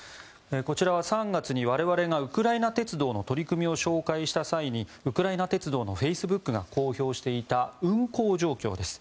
こちらは３月に我々がウクライナ鉄道の取り組みを紹介した際にウクライナ鉄道のフェイスブックが公表していた運行状況です。